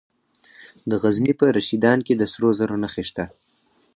د غزني په رشیدان کې د سرو زرو نښې شته.